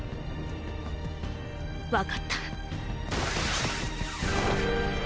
わかった。